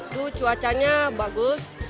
itu cuacanya bagus